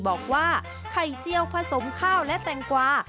บอกว่าไข่เจียวผสมข้าวและแตงกวา